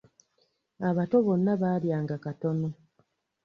Abato bonna baalyanga katono.